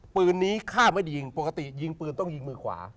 ปืนนี้ฆ่าไม่ยิงปกติยิงปืนต้องยิงมือขวา